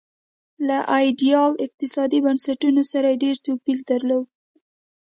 له ایډیال اقتصادي بنسټونو سره یې ډېر توپیر درلود.